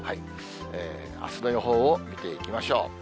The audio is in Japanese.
あすの予報を見ていきましょう。